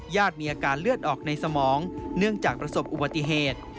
มีอาการเลือดออกในสมองเนื่องจากประสบอุบัติเหตุ